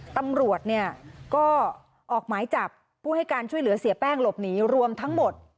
ตำรวจเนี่ยก็ออกหมายจับผู้ให้การช่วยเหลือเสียแป้งหลบหนีรวมทั้งหมด